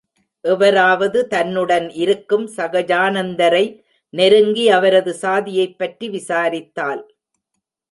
எவராவது தன்னுடன் இருக்கும் சகஜானந்தரை நெருங்கி அவரது சாதியைப் பற்றி விசாரித்தால்.